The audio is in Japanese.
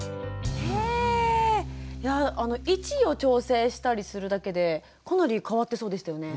位置を調整したりするだけでかなり変わってそうでしたよね。